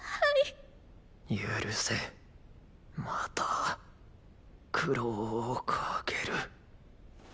許せまた苦労をかける。